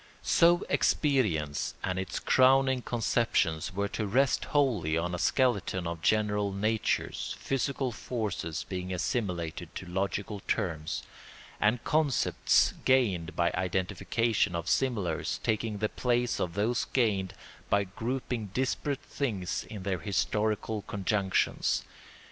So experience and its crowning conceptions were to rest wholly on a skeleton of general natures, physical forces being assimilated to logical terms, and concepts gained by identification of similars taking the place of those gained by grouping disparate things in their historical conjunctions.